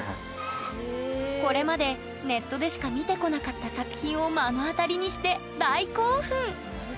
これまでネットでしか見てこなかった作品を目の当たりにして大興奮！